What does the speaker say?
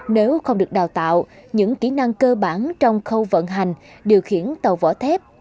nếu không được đào tạo những kỹ năng cơ bản trong khâu vận hành điều khiển tàu vỏ thép